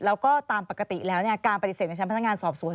แล้วก็ตามปกติแล้วการปฏิเสธในชั้นพนักงานสอบสวน